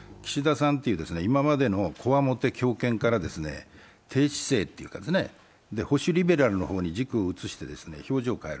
さんという今までのこわもて、強権から低姿勢というかですね、保守リベラルの方に軸を移して表情を変える。